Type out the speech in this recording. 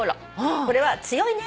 これは「強いね」